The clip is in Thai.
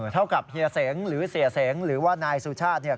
เท่ากับเฮียเสงหรือเสียเสงหรือว่านายสุชาติเนี่ย